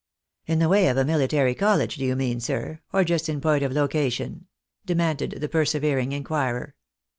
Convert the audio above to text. " In the way of a military college do you mean, sir, or just in point of location ?" demanded the persevering inquirer.